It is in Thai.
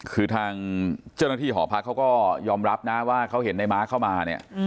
คือทางเจ้าหน้าที่หอพักเขาก็ยอมรับนะว่าเขาเห็นในม้าเข้ามาเนี่ย